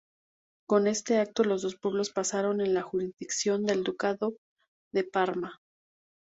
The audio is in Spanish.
Con este acto los dos pueblos pasaron en la jurisdicción del Ducado de Parma.